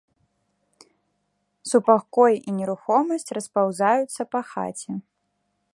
Супакой і нерухомасць распаўзаюцца па хаце.